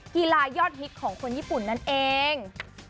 กีฬายอดฮิตของคนญี่ปุ่นนั่นเอง